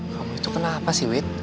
kamu itu kenapa sih wit